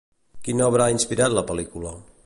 Quina obra ha inspirat la pel·lícula?